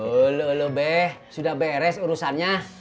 ulu uluh be sudah beres urusannya